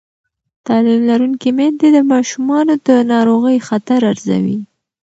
تعلیم لرونکې میندې د ماشومانو د ناروغۍ خطر ارزوي.